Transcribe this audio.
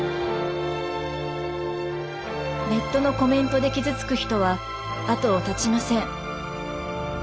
ネットのコメントで傷つく人はあとを絶ちません。